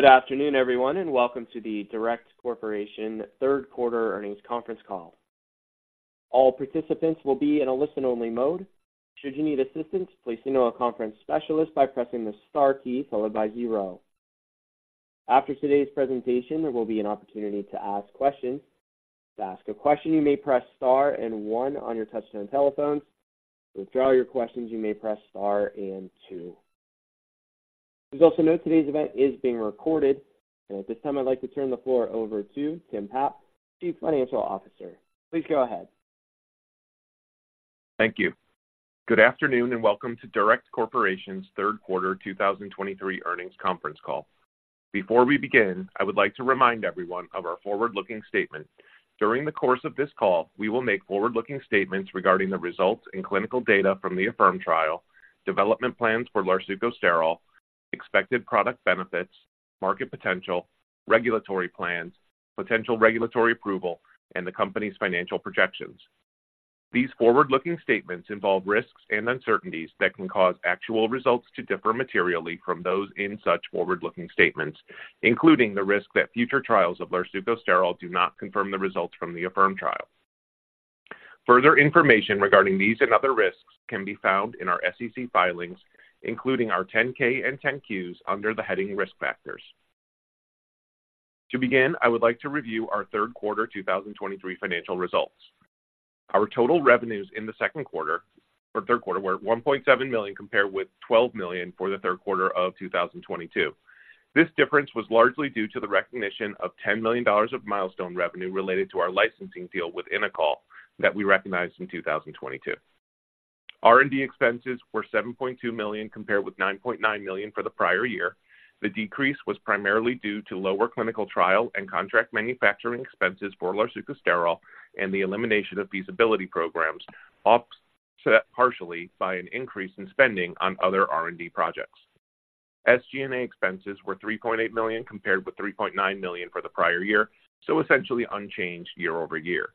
Good afternoon, everyone, and welcome to the DURECT Corporation third quarter earnings conference call. All participants will be in a listen-only mode. Should you need assistance, please let our conference specialist know by pressing the star key followed by zero. After today's presentation, there will be an opportunity to ask questions. To ask a question, you may press star and one on your touchtone telephones. To withdraw your questions, you may press star and two. Please also note, today's event is being recorded, and at this time, I'd like to turn the floor over to Tim Papp, Chief Financial Officer. Please go ahead. Thank you. Good afternoon, and welcome to DURECT Corporation's third quarter 2023 earnings conference call. Before we begin, I would like to remind everyone of our forward-looking statement. During the course of this call, we will make forward-looking statements regarding the results and clinical data from the AHFIRM trial, development plans for larsucosterol, expected product benefits, market potential, regulatory plans, potential regulatory approval, and the company's financial projections. These forward-looking statements involve risks and uncertainties that can cause actual results to differ materially from those in such forward-looking statements, including the risk that future trials of larsucosterol do not confirm the results from the AHFIRM trial. Further information regarding these and other risks can be found in our SEC filings, including our 10-K and 10-Qs, under the heading Risk Factors. To begin, I would like to review our third quarter 2023 financial results. Our total revenues in the second quarter or third quarter were $1.7 million, compared with $12 million for the third quarter of 2022. This difference was largely due to the recognition of $10 million of milestone revenue related to our licensing deal with Innocoll that we recognized in 2022. R&D expenses were $7.2 million, compared with $9.9 million for the prior year. The decrease was primarily due to lower clinical trial and contract manufacturing expenses for larsucosterol and the elimination of feasibility programs, offset partially by an increase in spending on other R&D projects. SG&A expenses were $3.8 million, compared with $3.9 million for the prior year, so essentially unchanged year-over-year.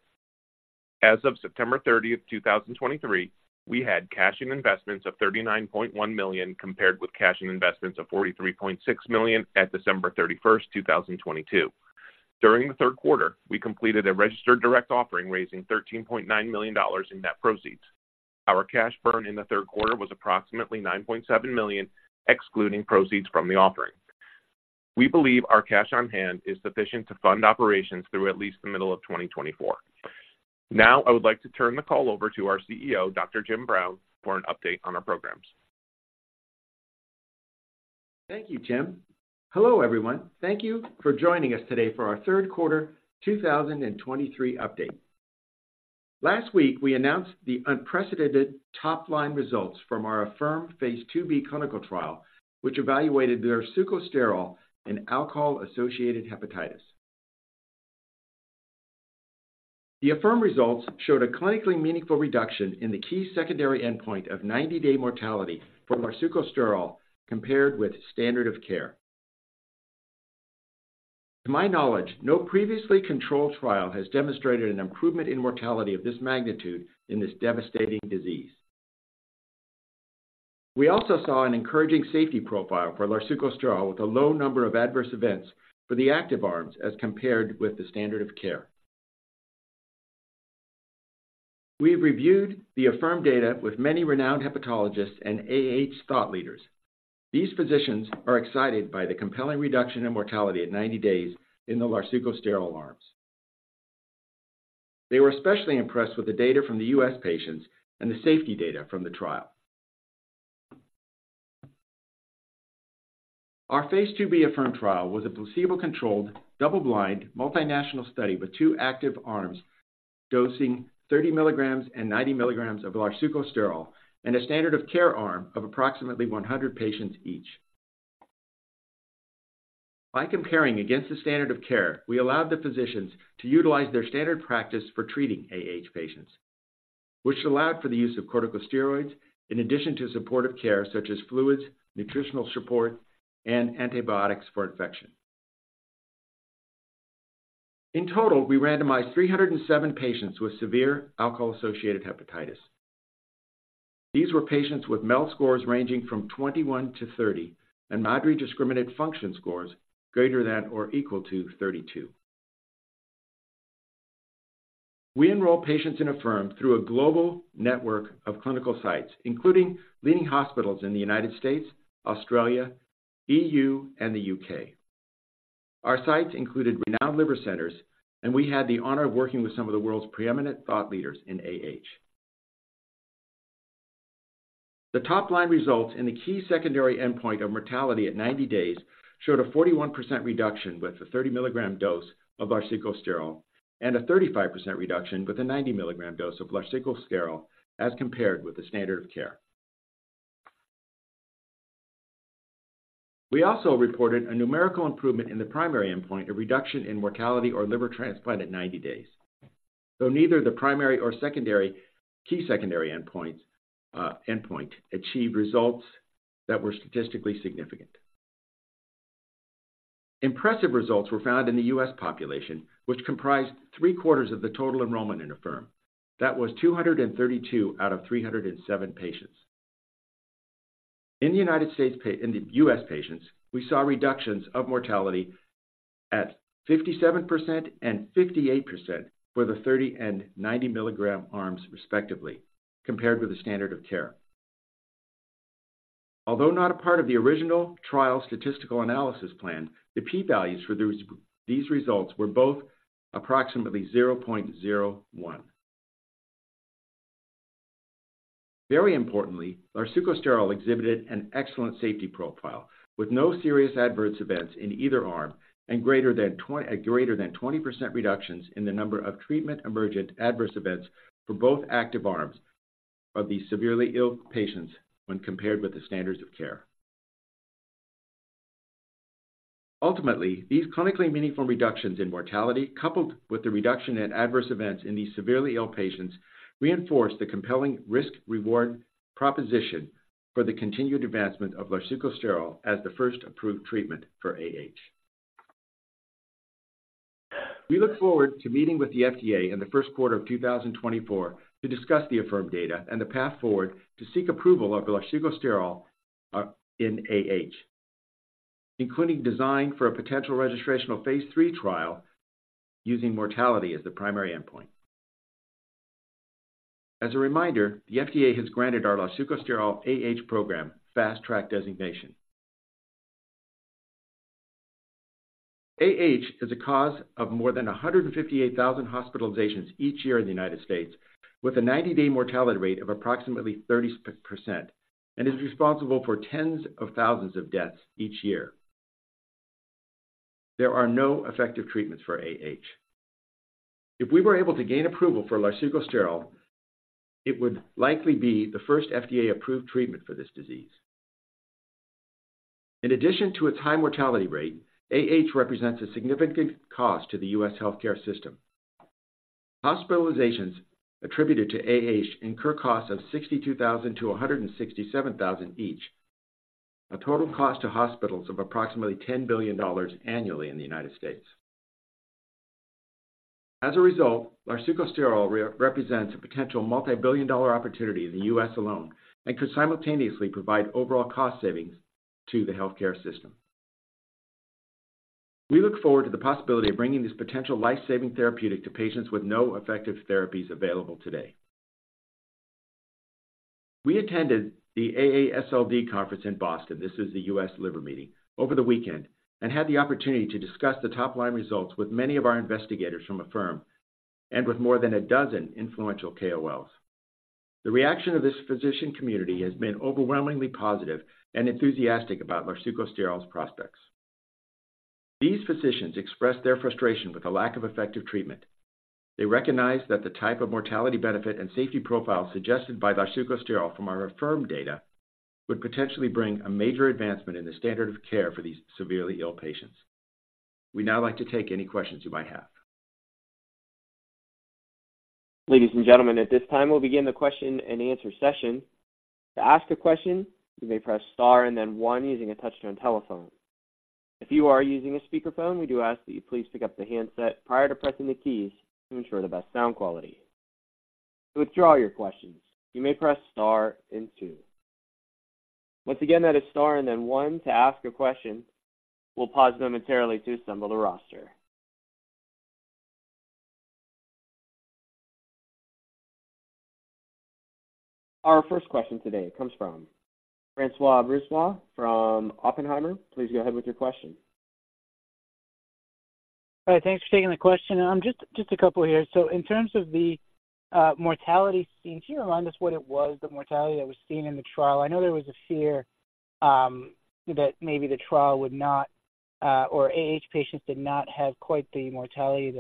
As of September 30th, 2023, we had cash and investments of $39.1 million, compared with cash and investments of $43.6 million at December 31st, 2022. During the third quarter, we completed a registered direct offering, raising $13.9 million in net proceeds. Our cash burn in the third quarter was approximately $9.7 million, excluding proceeds from the offering. We believe our cash on hand is sufficient to fund operations through at least the middle of 2024. Now, I would like to turn the call over to our CEO, Dr. Jim Brown, for an update on our programs. Thank you, Tim. Hello, everyone. Thank you for joining us today for our third quarter 2023 update. Last week, we announced the unprecedented top-line results from our AHFIRM Phase II-B clinical trial, which evaluated the larsucosterol in alcohol-associated hepatitis. The AHFIRM results showed a clinically meaningful reduction in the key secondary endpoint of 90-day mortality for larsucosterol compared with standard of care. To my knowledge, no previously controlled trial has demonstrated an improvement in mortality of this magnitude in this devastating disease. We also saw an encouraging safety profile for larsucosterol, with a low number of adverse events for the active arms as compared with the standard of care. We've reviewed the AHFIRM data with many renowned hepatologists and AH thought leaders. These physicians are excited by the compelling reduction in mortality at 90 days in the larsucosterol arms. They were especially impressed with the data from the U.S. patients and the safety data from the trial. Our Phase II-B AHFIRM trial was a placebo-controlled, double-blind, multinational study with two active arms dosing 30-milligrams and 90-milligrams of larsucosterol and a standard of care arm of approximately 100 patients each. By comparing against the standard of care, we allowed the physicians to utilize their standard practice for treating AH patients, which allowed for the use of corticosteroids in addition to supportive care such as fluids, nutritional support, and antibiotics for infection. In total, we randomized 307 patients with severe alcohol-associated hepatitis. These were patients with MELD scores ranging from 21 to 30 and Maddrey Discriminant Function scores greater than or equal to 32. We enroll patients in AHFIRM through a global network of clinical sites, including leading hospitals in the United States, Australia, E.U., and the U.K. Our sites included renowned liver centers, and we had the honor of working with some of the world's preeminent thought leaders in AH. The top-line results in the key secondary endpoint of mortality at 90 days showed a 41% reduction with a 30-milligram dose of larsucosterol and a 35% reduction with a 90-milligram dose of larsucosterol, as compared with the standard of care. We also reported a numerical improvement in the primary endpoint, a reduction in mortality or liver transplant at 90 days. So neither the primary or secondary, key secondary endpoints, endpoint achieved results that were statistically significant. Impressive results were found in the U.S. population, which comprised three-quarters of the total enrollment in AHFIRM. That was 232 out of 307 patients. In the United States, in the U.S. patients, we saw reductions of mortality at 57% and 58% for the 30 and 90 milligarms, respectively, compared with the standard of care. Although not a part of the original trial statistical analysis plan, the P-values for those, these results were both approximately 0.01. Very importantly, larsucosterol exhibited an excellent safety profile, with no serious adverse events in either arm and greater than 20% reductions in the number of treatment-emergent adverse events for both active arms of these severely ill patients when compared with the standard of care. Ultimately, these clinically meaningful reductions in mortality, coupled with the reduction in adverse events in these severely ill patients, reinforce the compelling risk-reward proposition for the continued advancement of larsucosterol as the first approved treatment for AH. We look forward to meeting with the FDA in the first quarter of 2024 to discuss the AHFIRM data and the path forward to seek approval of larsucosterol, in AH, including design for a potential registrational phase II trial using mortality as the primary endpoint. As a reminder, the FDA has granted our larsucosterol AH Program Fast Track Designation. AH is a cause of more than 158,000 hospitalizations each year in the United States, with a 90-day mortality rate of approximately 30%, and is responsible for tens of thousands of deaths each year. There are no effective treatments for AH. If we were able to gain approval for larsucosterol, it would likely be the first FDA-approved treatment for this disease. In addition to its high mortality rate, AH represents a significant cost to the U.S. healthcare system. Hospitalizations attributed to AH incur costs of $62,000 to $167,000 each, a total cost to hospitals of approximately $10 billion annually in the United States. As a result, larsucosterol represents a potential multibillion-dollar opportunity in the U.S. alone and could simultaneously provide overall cost savings to the healthcare system. We look forward to the possibility of bringing this potential life-saving therapeutic to patients with no effective therapies available today. We attended the AASLD conference in Boston, this is the U.S. liver meeting, over the weekend and had the opportunity to discuss the top-line results with many of our investigators from AHFIRM and with more than a dozen influential KOLs. The reaction of this physician community has been overwhelmingly positive and enthusiastic about larsucosterol's prospects. These physicians expressed their frustration with the lack of effective treatment. They recognized that the type of mortality benefit and safety profile suggested by larsucosterol from our AHFIRM data would potentially bring a major advancement in the standard of care for these severely ill patients. We'd now like to take any questions you might have. Ladies and gentlemen, at this time, we'll begin the question-and-answer session. To ask a question, you may press star and then one using a touch-tone telephone. If you are using a speakerphone, we do ask that you please pick up the handset prior to pressing the keys to ensure the best sound quality. To withdraw your questions, you may press star and two. Once again, that is star and then one to ask a question. We'll pause momentarily to assemble the roster. Our first question today comes from François Brisebois from Oppenheimer. Please go ahead with your question. Hi, thanks for taking the question, and just a couple here. So in terms of the mortality seen, can you remind us what it was, the mortality that was seen in the trial? I know there was a fear that maybe the trial would not or AH patients did not have quite the mortality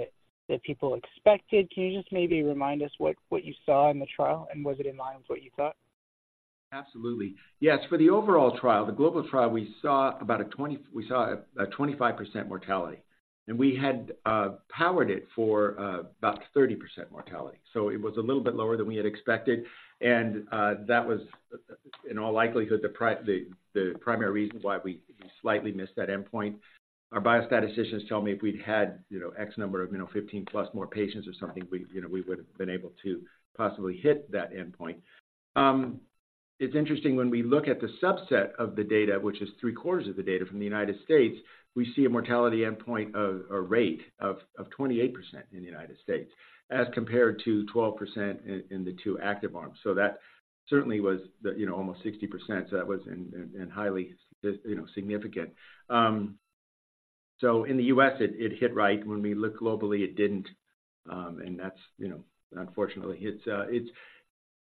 that people expected. Can you just maybe remind us what you saw in the trial, and was it in line with what you thought? Absolutely. Yes, for the overall trial, the global trial, we saw about a 25% mortality, and we had powered it for about 30% mortality. So it was a little bit lower than we had expected, and that was, in all likelihood, the primary reason why we slightly missed that endpoint. Our biostatisticians tell me if we'd had, you know, X number of, you know, 15+ more patients or something, we, you know, we would have been able to possibly hit that endpoint. It's interesting, when we look at the subset of the data, which is three-quarters of the data from the United States, we see a mortality endpoint of a rate of 28% in the United States, as compared to 12% in the two active arms. So that certainly was the, you know, almost 60%. So that was highly significant. So in the U.S., it hit right. When we looked globally, it didn't. And that's, you know... Unfortunately, it's,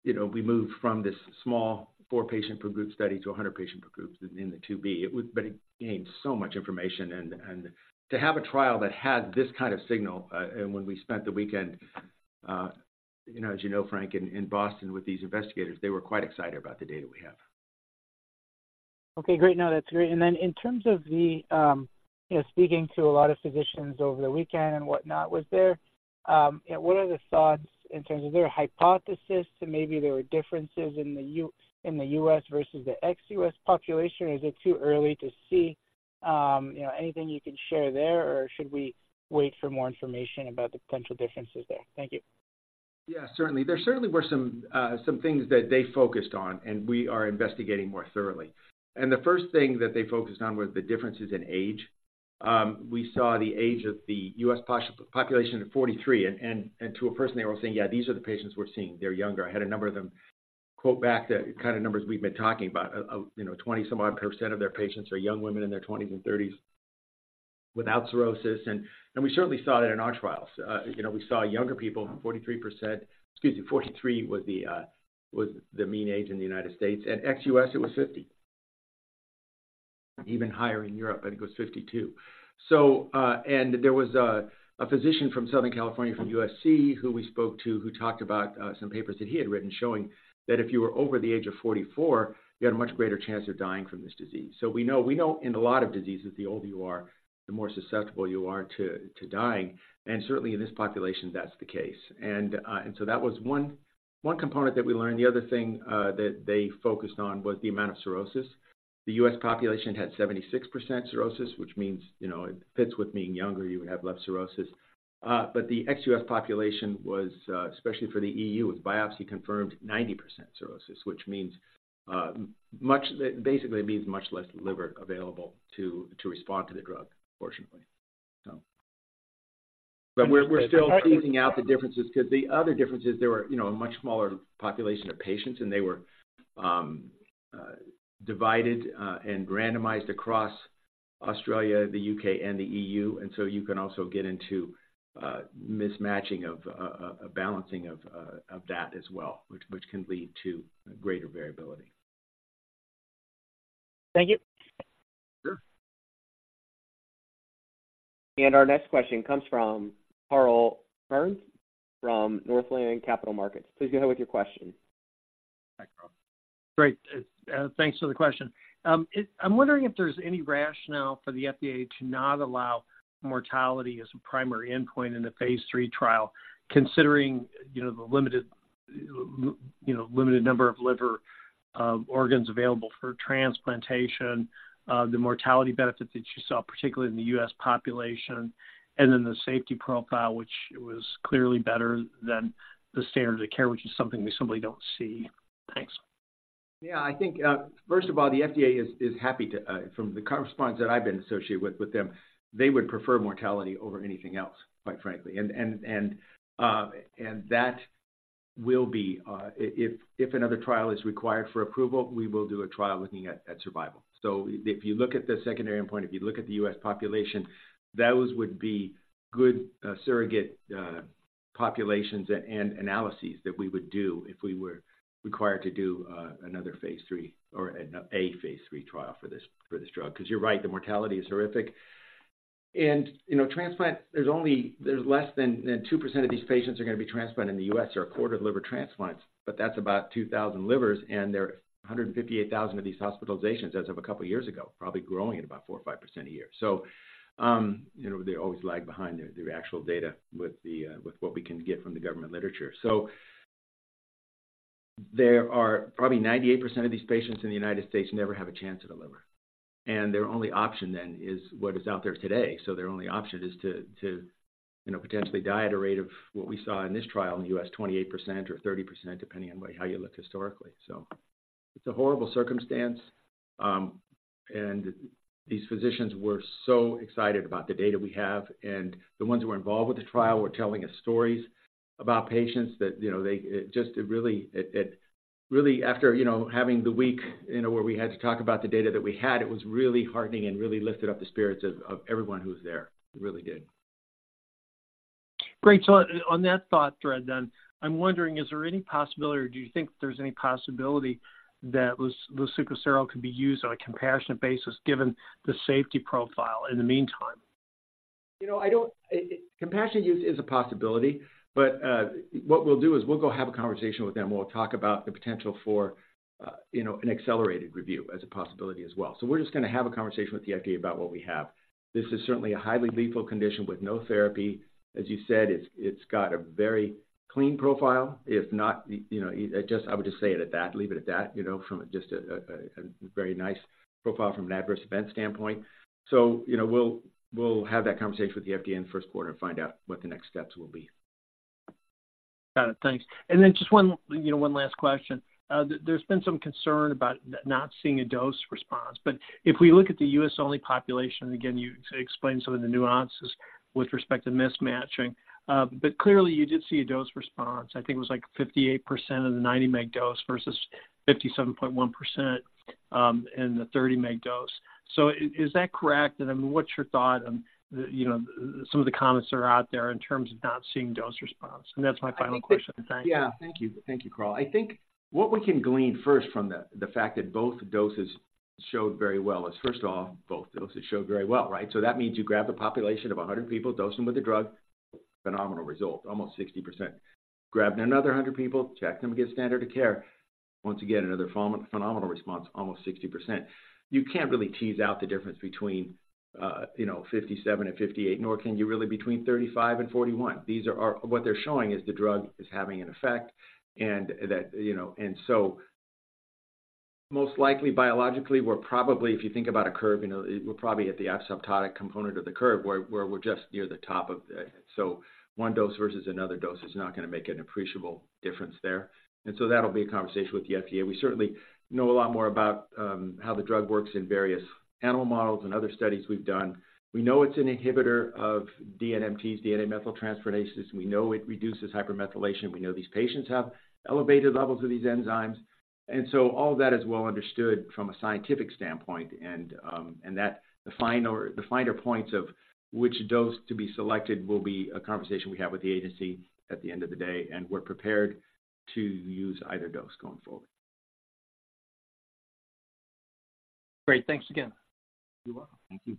you know, we moved from this small four patient-per-group study to a 100-patient per group in the II-B. It was, but it gained so much information and to have a trial that had this kind of signal, and when we spent the weekend, you know, as you know, Franc, in Boston with these investigators, they were quite excited about the data we have. Okay, great. No, that's great. And then in terms of the, you know, speaking to a lot of physicians over the weekend and whatnot, was there. Yeah, what are the thoughts in terms of their hypothesis to maybe there were differences in the U.S. versus the ex-U.S. population, or is it too early to see? You know, anything you can share there, or should we wait for more information about the potential differences there? Thank you. Yeah, certainly. There certainly were some things that they focused on, and we are investigating more thoroughly. And the first thing that they focused on was the differences in age. We saw the age of the U.S. population at 43, and to a person, they were saying, "Yeah, these are the patients we're seeing. They're younger." I had a number of them quote back the kind of numbers we've been talking about, of, you know, 20-some odd% of their patients are young women in their 20s and 30s without cirrhosis, and we certainly saw that in our trials. You know, we saw younger people, 43%. Excuse me, 43 was the mean age in the United States. At ex-U.S., it was 50. Even higher in Europe, I think it was 52. And there was a physician from Southern California, from USC, who we spoke to, who talked about some papers that he had written showing that if you were over the age of 44, you had a much greater chance of dying from this disease. So we know, we know in a lot of diseases, the older you are, the more susceptible you are to dying, and certainly in this population, that's the case. And so that was one component that we learned. The other thing that they focused on was the amount of cirrhosis. The U.S. population had 76% cirrhosis, which means, you know, it fits with being younger, you would have less cirrhosis. But the ex-U.S. population was, especially for the E.U., with biopsy-confirmed, 90% cirrhosis, which means, much. Basically, it means much less liver available to respond to the drug, unfortunately, so. Okay, I. But we're still teasing out the differences because the other differences, there were, you know, a much smaller population of patients, and they were divided and randomized across Australia, the U.K., and the E.U. And so you can also get into mismatching of a balancing of that as well, which can lead to greater variability. Thank you. Sure. Our next question comes from Carl Byrnes from Northland Capital Markets. Please go ahead with your question. Hi, Carl. Great, thanks for the question. I'm wondering if there's any rationale for the FDA to not allow mortality as a primary endpoint in the phase III trial, considering, you know, the limited, you know, limited number of liver organs available for transplantation, the mortality benefit that you saw, particularly in the U.S. population, and then the safety profile, which was clearly better than the standard of care, which is something we simply don't see. Thanks. Yeah, I think, first of all, the FDA is happy to. From the correspondence that I've been associated with, with them, they would prefer mortality over anything else, quite frankly. And that will be, if another trial is required for approval, we will do a trial looking at survival. So if you look at the secondary endpoint, if you look at the U.S. population, those would be good surrogate populations and analyses that we would do if we were required to do another Phase III or a Phase III trial for this drug. Because you're right, the mortality is horrific. And, you know, transplant, there's only. There's less than 2% of these patients are going to be transplanted in the U.S. There are a quarter of liver transplants, but that's about 2,000 livers, and there are 158,000 of these hospitalizations as of a couple of years ago, probably growing at about 4% or 5% a year. So, you know, they always lag behind the actual data with what we can get from the government literature. So there are probably 98% of these patients in the United States never have a chance at a liver, and their only option then is what is out there today. So their only option is to, you know, potentially die at a rate of what we saw in this trial in the U.S., 28% or 30%, depending on way how you look historically. So it's a horrible circumstance, and these physicians were so excited about the data we have, and the ones who were involved with the trial were telling us stories about patients that, you know, they, it just, it really, it, it really after, you know, having the week, you know, where we had to talk about the data that we had, it was really heartening and really lifted up the spirits of, of everyone who was there. It really did. Great. So on that thought thread, then, I'm wondering, is there any possibility, or do you think there's any possibility that larsucosterol could be used on a compassionate basis, given the safety profile in the meantime? You know, I don't. Compassionate use is a possibility, but, what we'll do is we'll go have a conversation with them, and we'll talk about the potential for, you know, an accelerated review as a possibility as well. So we're just gonna have a conversation with the FDA about what we have. This is certainly a highly lethal condition with no therapy. As you said, it's got a very clean profile. If not, you know, I just, I would just say it at that, leave it at that, you know, from just a very nice profile from an adverse event standpoint. So, you know, we'll have that conversation with the FDA in the first quarter and find out what the next steps will be. Got it. Thanks. And then just one, you know, one last question. There's been some concern about not seeing a dose response, but if we look at the U.S.-only population, again, you explained some of the nuances with respect to mismatching, but clearly, you did see a dose response. I think it was like 58% of the 90 milligram dose versus 57.1% in the 30 milligram dose. So is that correct? And then what's your thought on the, you know, some of the comments that are out there in terms of not seeing dose response? And that's my final question. Thank you. Yeah. Thank you. Thank you, Carl. I think what we can glean first from the fact that both doses showed very well is, first of all, both doses showed very well, right? So that means you grab the population of 100 people, dose them with a drug, phenomenal result, almost 60%. Grab another 100 people, check them against standard of care, once again, another phenomenal response, almost 60%. You can't really tease out the difference between, you know, 57 and 58, nor can you really between 35 and 41. These are our, what they're showing is the drug is having an effect, and that, you know and so. Most likely, biologically, we're probably, if you think about a curve, you know, we're probably at the asymptotic component of the curve, where we're just near the top of the. So one dose versus another dose is not going to make an appreciable difference there. And so that'll be a conversation with the FDA. We certainly know a lot more about how the drug works in various animal models and other studies we've done. We know it's an inhibitor of DNMT, DNA Methyltransferases. We know it reduces hypermethylation. We know these patients have elevated levels of these enzymes, and so all that is well understood from a scientific standpoint. The finer points of which dose to be selected will be a conversation we have with the agency at the end of the day, and we're prepared to use either dose going forward. Great. Thanks again. You're welcome. Thank you.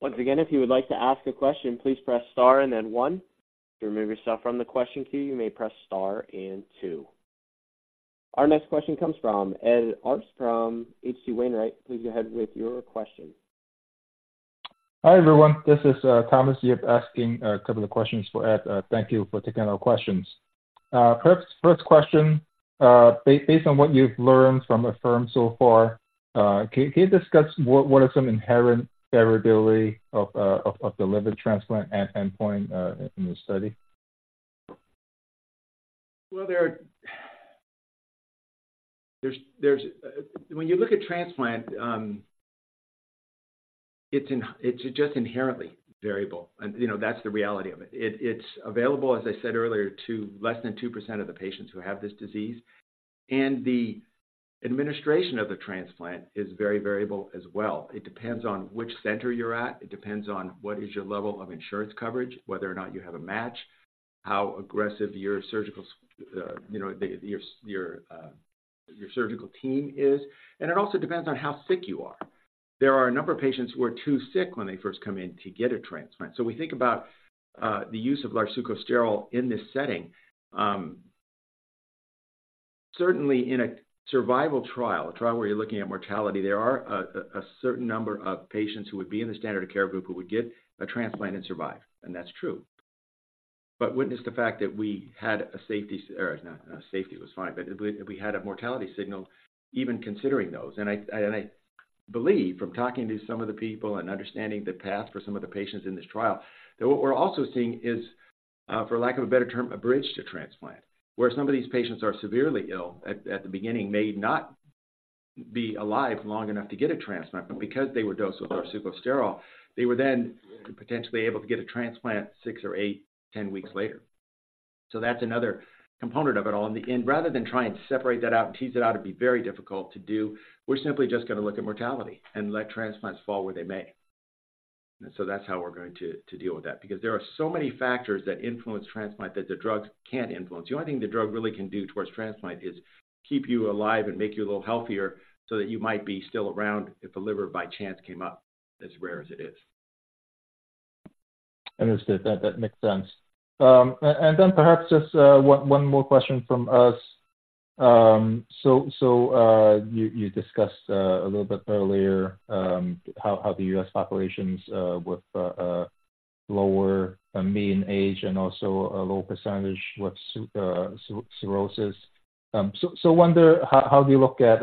Once again, if you would like to ask a question, please press star and then one. To remove yourself from the question queue, you may press star and two. Our next question comes from Ed Arce from H.C. Wainwright. Please go ahead with your question. Hi, everyone. This is Thomas Yip asking a couple of questions for Ed. Thank you for taking our questions. Perhaps first question, based on what you've learned from AHFIRM so far, can you discuss what are some inherent variability of the liver transplant at endpoint in the study? Well, when you look at transplant, it's just inherently variable, and, you know, that's the reality of it. It's available, as I said earlier, to less than 2% of the patients who have this disease, and the administration of the transplant is very variable as well. It depends on which center you're at. It depends on what is your level of insurance coverage, whether or not you have a match, how aggressive your surgical, you know, your surgical team is, and it also depends on how sick you are. There are a number of patients who are too sick when they first come in to get a transplant. So we think about the use of larsucosterol in this setting. Certainly in a survival trial, a trial where you're looking at mortality, there are certain number of patients who would be in the standard of care group who would get a transplant and survive, and that's true. But witness the fact that we had a safety, or not, safety was fine, but we had a mortality signal even considering those. And I believe, from talking to some of the people and understanding the path for some of the patients in this trial, that what we're also seeing is, for lack of a better term, a bridge to transplant. Where some of these patients are severely ill at the beginning, may not be alive long enough to get a transplant, but because they were dosed with larsucosterol, they were then potentially able to get a transplant six or eight, 10 weeks later. So that's another component of it all. And rather than try and separate that out and tease it out, it'd be very difficult to do, we're simply just going to look at mortality and let transplants fall where they may. And so that's how we're going to deal with that, because there are so many factors that influence transplant that the drugs can't influence. The only thing the drug really can do towards transplant is keep you alive and make you a little healthier so that you might be still around if a liver, by chance, came up, as rare as it is. Understood. That makes sense. And then perhaps just one more question from us. So you discussed a little bit earlier how the U.S. populations with lower mean age and also a low percentage with cirrhosis. So wonder how do you look at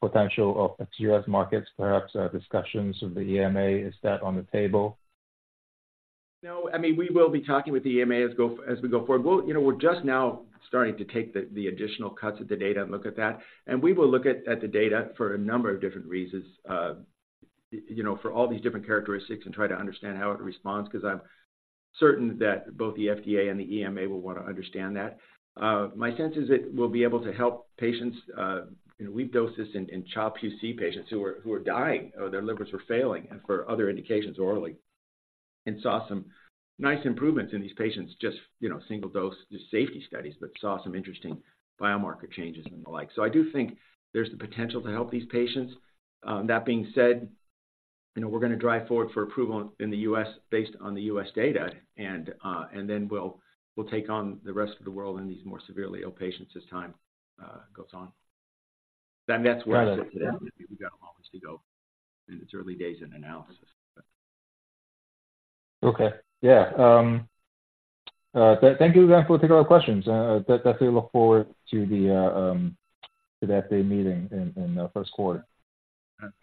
potential of the U.S. markets, perhaps discussions with the EMA? Is that on the table? No. I mean, we will be talking with the EMA as we go forward. Well, you know, we're just now starting to take the additional cuts of the data and look at that, and we will look at the data for a number of different reasons, you know, for all these different characteristics and try to understand how it responds, because I'm certain that both the FDA and the EMA will want to understand that. My sense is that we'll be able to help patients. You know, we've dosed this in Child-Pugh C patients who were dying, or their livers were failing, and for other indications orally, and saw some nice improvements in these patients, just, you know, single-dose safety studies, but saw some interesting biomarker changes and the like. So I do think there's the potential to help these patients. That being said, you know, we're going to drive forward for approval in the U.S. based on the U.S. data, and then we'll take on the rest of the world and these more severely ill patients as time goes on. Then that's where. Got it. We got a long ways to go, and it's early days in analysis. Okay. Yeah, thank you again for taking our questions. Definitely look forward to the meeting in the first quarter.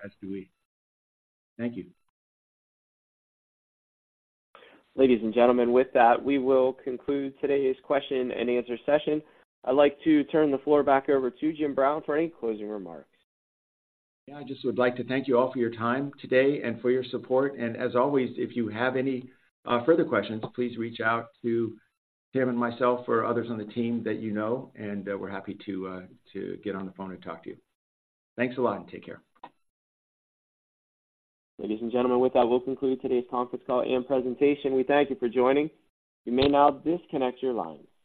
As do we. Thank you. Ladies and gentlemen, with that, we will conclude today's question and answer session. I'd like to turn the floor back over to Jim Brown for any closing remarks. Yeah, I just would like to thank you all for your time today and for your support. As always, if you have any further questions, please reach out to Tim and myself or others on the team that you know, and we're happy to get on the phone and talk to you. Thanks a lot, and take care. Ladies and gentlemen, with that, we'll conclude today's conference call and presentation. We thank you for joining. You may now disconnect your line.